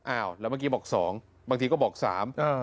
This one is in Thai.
อ้าวแล้วเมื่อกี้บอกสองบางทีก็บอกสามเออ